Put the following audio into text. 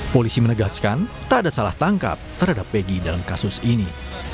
polisi menegaskan tak ada salah tangkap terhadap egy dalam kasus ini